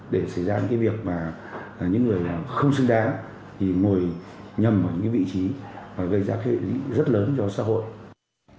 để xảy ra những cái việc mà những người không xứng đáng thì ngồi nhầm vào những cái vị trí gây ra cái hệ lị rất lớn cho xã hội